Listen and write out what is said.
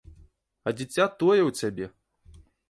А дзіця тое ў цябе!